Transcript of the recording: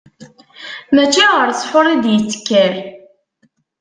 Mačči ɣer ssḥur i d-yettekkar.